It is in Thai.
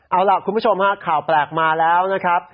เอาล่ะคุณผู้ชมฮะข่าวแปลกมาแล้วนะครับ